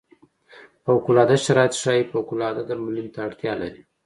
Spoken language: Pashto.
فوق العاده شرایط ښايي فوق العاده درملنې ته اړتیا لري.